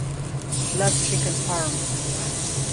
Love chicken parm.